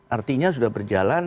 artinya sudah berjalan